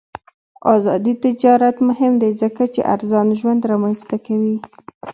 آزاد تجارت مهم دی ځکه چې ارزان ژوند رامنځته کوي.